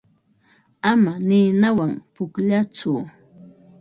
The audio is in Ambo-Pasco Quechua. Ama ninawan pukllatsu.